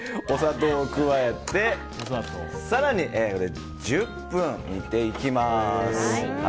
お砂糖を加えて更に１０分煮ていきます。